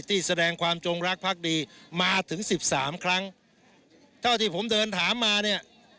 ที่แสดงความจงรักพักดีมาถึงสิบสามครั้งเท่าที่ผมเดินถามมาเนี่ย